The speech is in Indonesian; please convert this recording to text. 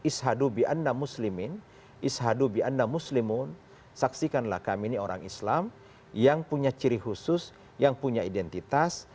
ishadu bi'anda muslimin ishadu bi'anda muslimun saksikanlah kami ini orang islam yang punya ciri khusus yang punya identitas